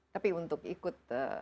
tapi untuk ikut